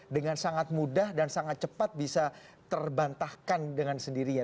dengan sangat mudah dan sangat cepat bisa terbantahkan dengan sendirinya